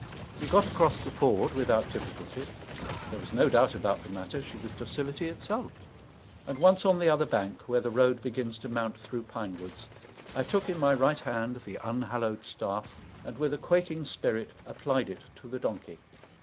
We got across the ford without difficulty there was no doubt about the matter, she was docility itself and once on the other bank, where the road begins to mount through pine woods, I took in my right hand the unhallowed staff, and with a quaking spirit applied it to the donkey.